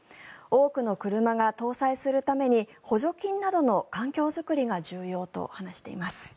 多くの車が搭載するために補助金などの環境作りが重要と話しています。